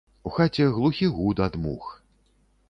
У хаце глухі гуд ад мух.